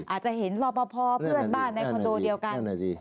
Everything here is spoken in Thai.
อาจจะเห็นรอปภเพื่อนบ้านในคอนโดเดียวกัน